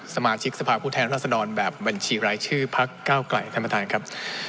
สมาชิกสภาพผู้แทนรัศดรแบบบัญชีรายชื่อพักเก้าไกลท่านประธานครับ